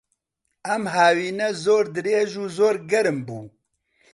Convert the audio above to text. ئەم هاوینە زۆر درێژ و زۆر گەرم بوو.